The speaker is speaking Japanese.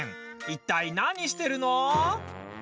いったい、何してるの？